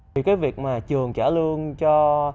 vì cái việc mà trường trả lương cho